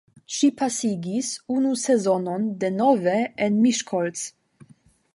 Ŝi pasigis unu sezonon denove en Miskolc.